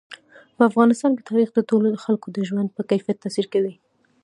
په افغانستان کې تاریخ د ټولو خلکو د ژوند په کیفیت تاثیر کوي.